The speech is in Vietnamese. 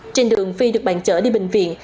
trên đường phi được bàn chở đi bệnh viện